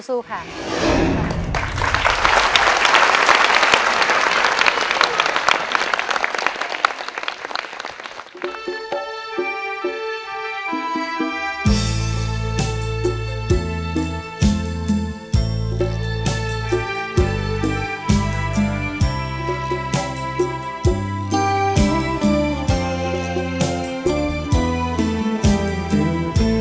โปรดติดตามตอนต่อไป